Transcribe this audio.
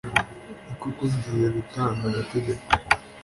ni koko, ngiye gutanga amategeko :